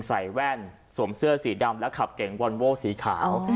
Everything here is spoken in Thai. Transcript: แว่นสวมเสื้อสีดำแล้วขับเก๋งวอนโว้สีขาว